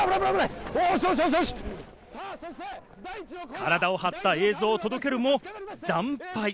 体を張った映像を届けるも惨敗。